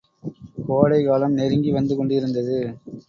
கோடைகாலம் நெருங்கி வந்துகொண்டிருந்தது.